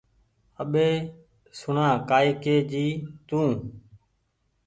اٻي سوڻا ڪآئي ڪي جي تو